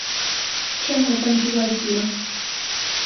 کێ مەڵبەندی وای دیوە؟